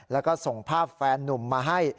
แล้วก็ส่งภาพแฟนนุ่มมาให้